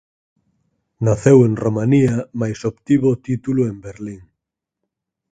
Naceu en Romanía mais obtivo o título en Berlín.